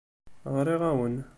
Ɣriɣ-awen.